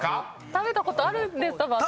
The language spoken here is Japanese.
食べたことあるんです私。